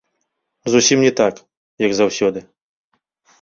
Зусім не так, як заўсёды.